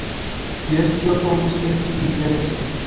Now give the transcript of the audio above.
Jes, tio povus esti interesa.